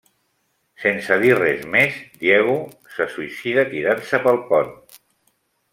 Sense dir res més, Diego se suïcida tirant-se pel pont.